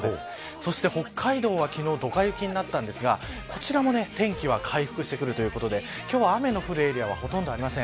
そして北海道は昨日ドカ雪になったんですが、こちらも天気は回復してくるということで今日は、雨の降るエリアはほとんどありません。